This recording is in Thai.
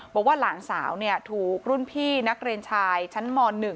บอกว่าหลานสาวถูกรุ่นพี่นักเรียนชายชั้นม๑